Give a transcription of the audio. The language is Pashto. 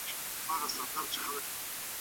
که خلګ پوهه ونلري ډېر ژر سياسي فريب خوري.